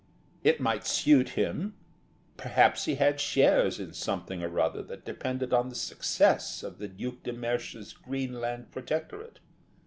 It might suit him; perhaps he had shares in something or other that depended on the success of the Duc de Mersch's Greenland Protectorate.